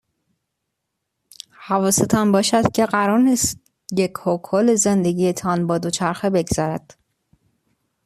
حواستان باشد که قرار نیست یکهو کل زندگی تان با دوچرخه بگذرد.